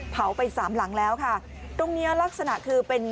เผาไปสามหลังแล้วค่ะตรงเนี้ยลักษณะคือเป็น